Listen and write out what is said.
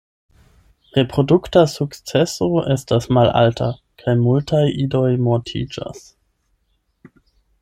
Reprodukta sukceso estas malalta kaj multaj idoj mortiĝas.